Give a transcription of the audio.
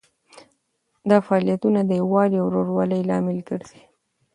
دا فعالیتونه د یووالي او ورورولۍ لامل ګرځي.